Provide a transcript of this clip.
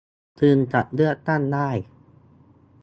จึงจะเลือกตั้งได้